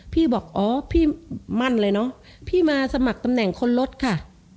พี่บอกอ๋อพี่มั่นเลยเนอะพี่มาสมัครตำแหน่งคนรถค่ะ